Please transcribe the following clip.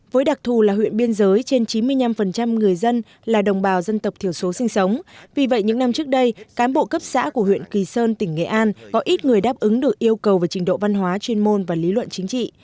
với đặc thù là huyện biên giới trên chín mươi năm người dân là đồng bào dân tộc thiểu số sinh sống vì vậy những năm trước đây cán bộ cấp xã của huyện kỳ sơn tỉnh nghệ an có ít người đáp ứng được yêu cầu về trình độ văn hóa chuyên môn và lý luận chính trị